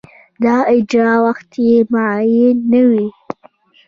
د اجرا وخت یې معین نه وي.